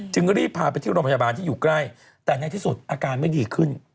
รีบพาไปที่โรงพยาบาลที่อยู่ใกล้แต่ในที่สุดอาการไม่ดีขึ้น